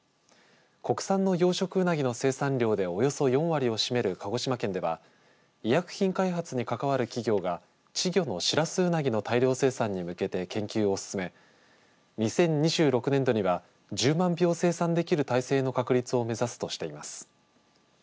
国産の養殖うなぎの生産量でおよそ４割を占める鹿児島県では医薬品開発に関わる企業が稚魚のシラスウナギの大量生産に向けて研究を進め２０２６年度には１０万尾を生産できる体制の確立を目指したいとしています。